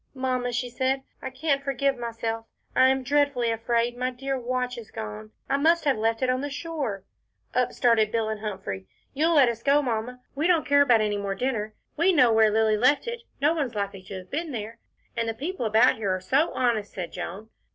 "Mamma," she said, "I can't forgive myself, I am dreadfully afraid my dear watch is gone. I must have left it on the shore." Up started Bill and Humphrey. "You'll let us go, Mamma. We don't care about any more dinner. We know where Lilly left it no one's likely to have been there." "And the people about here are so honest," said Joan.